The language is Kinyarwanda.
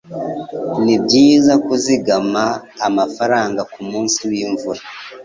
Nibyiza kuzigama amafaranga kumunsi wimvura.